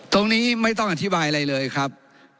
ตรงนี้ไม่ต้องอธิบายอะไรเลยครับ